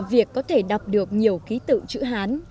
việc có thể đọc được nhiều ký tự chữ hán